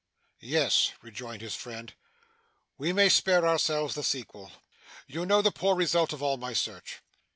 'Yes,' rejoined his friend, 'we may spare ourselves the sequel. You know the poor result of all my search.